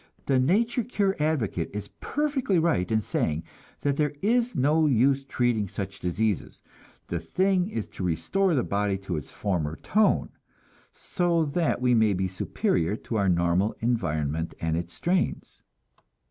The nature cure advocate is perfectly right in saying that there is no use treating such diseases; the thing is to restore the body to its former tone, so that we may be superior to our normal environment and its strains.